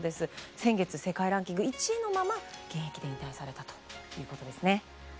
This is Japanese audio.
先月、世界ランキング１位のまま現役で引退されたということですね。